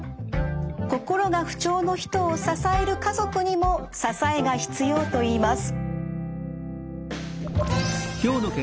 心が不調の人を支える家族にも支えが必要といいます。